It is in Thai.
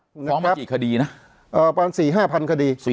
ฟ้องมากี่คดีนะเอ่อประมาณ๔๕พันคดี